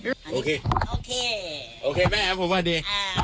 โอเคโอเคแม่พูดว่าดี